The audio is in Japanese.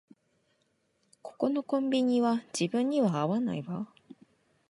ここのコンビニは自分には合わないわ